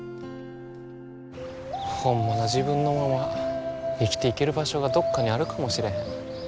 ホンマの自分のまま生きていける場所がどっかにあるかもしれへん。